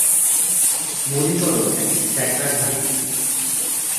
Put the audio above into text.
মনে কর, একটা ছেকড়া গাড়ীর ঘোড়া বক্তৃতা দিতে আরম্ভ করিল।